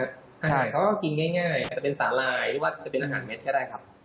อาหารเขาก็กินง่ายอาจจะเป็นสาลายหรือว่าจะเป็นอาหารเม็ดก็ได้ครับ